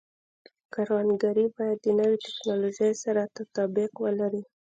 کروندګري باید د نوې ټکنالوژۍ سره تطابق ولري.